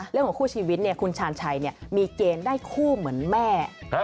เรื่องของคู่ชีวิตเนี่ยคุณชาญชัยเนี่ยมีเกณฑ์ได้คู่เหมือนแม่